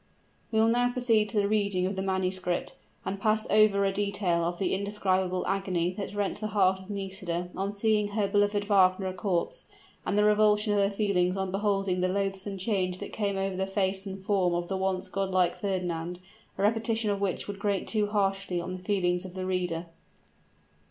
We will now proceed to the reading of the manuscript, and pass over a detail of the indescribable agony that rent the heart of Nisida on seeing her beloved Wagner a corpse, and the revulsion of her feelings on beholding the loathsome change that came over the face and form of the once god like Fernand, a repetition of which would grate too harshly on the feelings of the reader.